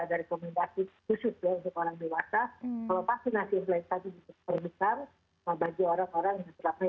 bagi orang orang yang terlalu yang kontrakan